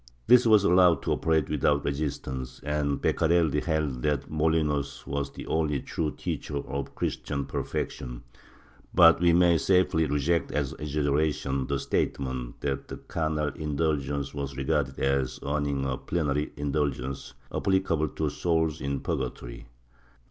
This was allowed to operate without resistance, and Beccarelli held that Molinos was the only true teacher of Christian perfection, but we may safely reject as exaggeration the statement that carnal indulgence was regarded as earning a plenary indulgence, applicable to souls in purgatory.